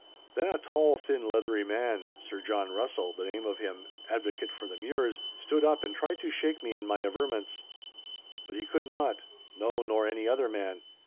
Then a tall, thin, leathery man, Sir John Russell the name of him, advocate for the Mures, stood up and tried to shake me in my averments. But he could not—no, nor any other man.